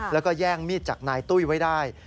แล้วก็แย่งมีดจากนายตุ้ยไว้ได้